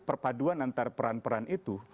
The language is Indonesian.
perpaduan antara peran peran itu